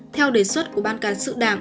theo đề xuất của ban cảnh sự đảng